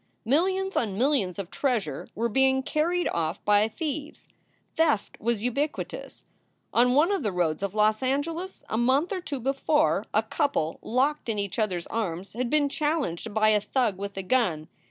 Millions on millions of treasure were being carried off by thieves. Theft was ubiquitous. On one of the roads of Los Angeles, a month or two before, a couple locked in each other s arms had been challenged by a thug with a gun.